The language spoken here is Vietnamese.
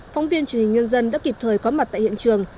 phóng viên truyền hình nhân dân đã kịp thời có mặt tại hiện trường